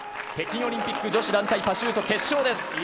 北京オリンピック女子団体パシュート決勝です。